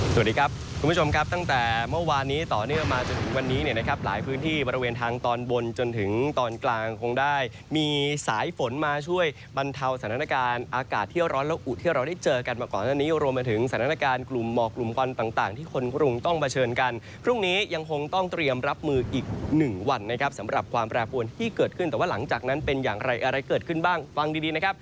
สวัสดีครับคุณผู้ชมครับตั้งแต่เมื่อวานนี้ต่อเนื่องมาจนถึงวันนี้นะครับหลายพื้นที่บริเวณทางตอนบนจนถึงตอนกลางคงได้มีสายฝนมาช่วยบรรเทาสถานการณ์อากาศเที่ยวร้อนและอุเที่ยวร้อนได้เจอกันมาก่อนอันนี้รวมมาถึงสถานการณ์กลุ่มหมอกกลุ่มควันต่างที่คนกลุ่มต้องเผชิญกันพรุ่งนี้ยังคงต้องเตร